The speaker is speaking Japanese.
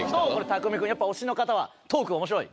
たくみくんやっぱ推しの方はトーク面白い？